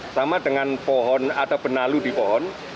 sama dengan pohon ada penalu di pohon